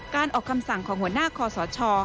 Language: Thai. การออกคำสั่งของหัวหน้าคอสช